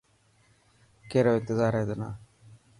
ڪيرو انتظار هي تنا.